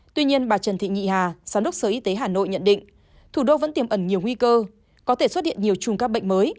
tuy nhiên bà trần thị nhị hà giám đốc sở y tế hà nội nhận định thủ đô vẫn tiềm ẩn nhiều nguy cơ có thể xuất hiện nhiều chùm các bệnh mới